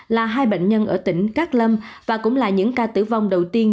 là hai bệnh nhân ở tỉnh cát lâm và cũng là những ca tử vong đầu tiên